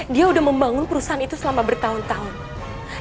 dia sudah membangun perusahaan itu selama bertahun tahun